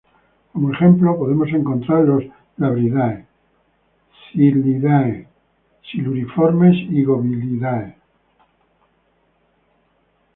Como ejemplo podemos encontrar los Labridae, Cichlidae, Siluriformes y Gobiidae.